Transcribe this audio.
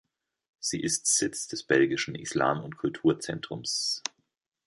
Sie ist Sitz des belgischen Islam- und Kulturzentrums.